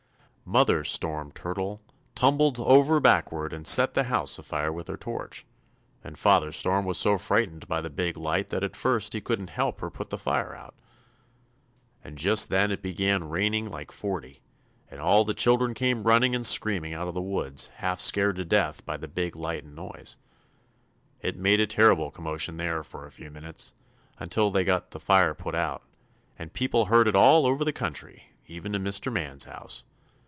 "Mother Storm Turtle tumbled over backward and set the house afire with her torch, and Father Storm was so frightened by the big light that at first he couldn't help her put the fire out. And just then it began raining like forty, and all the children came running and screaming out of the woods, half scared to death by the big light and noise. It made a terrible commotion there for a few minutes, until they got the fire put out, and people heard it all over the country, even to Mr. Man's house.